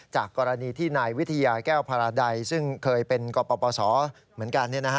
จากกรณีที่นายวิทยาแก้วพาราใดซึ่งเคยเป็นกปศเหมือนกัน